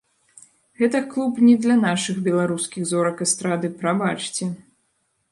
Гэта клуб не для нашых беларускіх зорак эстрады, прабачце.